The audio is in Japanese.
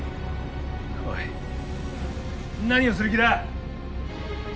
おい何をする気だ！